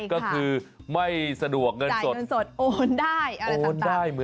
ก็คือไม่สะดวกเงินสดจ่ายเงินสดโอนได้